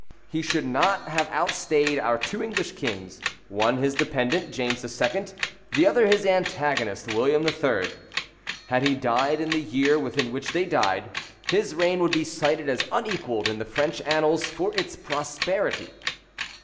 He should not have outstayed our two English kings one his dependent, James II., the other his antagonist, William III. Had he died in the year within which they died, his reign would be cited as unequalled in the French annals for its prosperity.